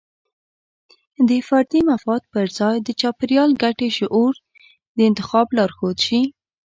د فردي مفاد پر ځای د چاپیریال ګټې شعور د انتخاب لارښود شي.